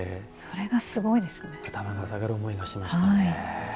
それがすごいですね。